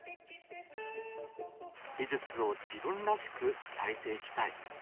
美術を自分らしく伝えていきたい。